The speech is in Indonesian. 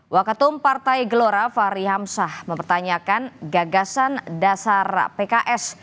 wakatum partai gelora fahri hamsah mempertanyakan gagasan dasar pks